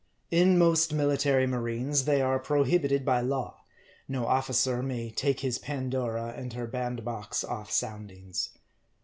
In most military marines, they are prohibited by law ; no officer may take his Pandora and her bandbox ofF soundings.